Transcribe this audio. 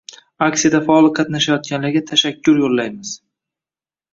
Aksiyada faol qatnashganlarga tashakkur yoʻllaymiz!